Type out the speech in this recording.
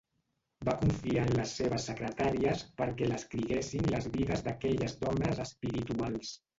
Va confiar en les seves secretàries perquè l'escriguessin les vides d'aquelles dones espirituals.